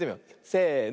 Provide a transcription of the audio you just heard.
せの。